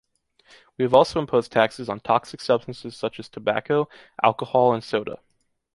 We have also imposed taxes on toxic substances such as tobacco, alcohol and soda.